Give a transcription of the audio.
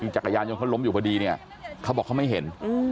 จักรยานยนต์เขาล้มอยู่พอดีเนี่ยเขาบอกเขาไม่เห็น